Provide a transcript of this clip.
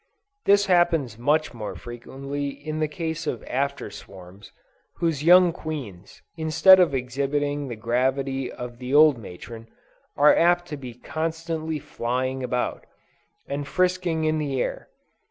This happens much more frequently in the case of after swarms, whose young queens, instead of exhibiting the gravity of the old matron, are apt to be constantly flying about, and frisking in the air.